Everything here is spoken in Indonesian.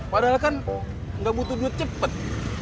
padahal kan gak butuh duit cepet